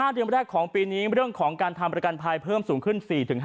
เดือนแรกของปีนี้เรื่องของการทำประกันภัยเพิ่มสูงขึ้น๔๕